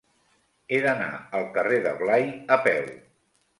He d'anar al carrer de Blai a peu.